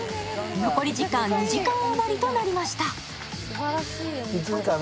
残り時間、２時間余りとなりました。